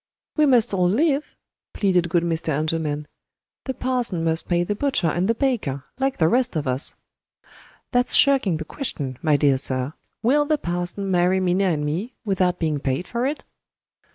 "We must all live," pleaded good Mr. Engelman; "the parson must pay the butcher and the baker, like the rest of us." "That's shirking the question, my dear sir! Will the parson marry Minna and me, without being paid for it?"